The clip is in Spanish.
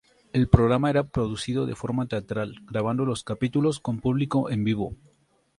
El programa era producido de forma teatral, grabando los capítulos con público en vivo.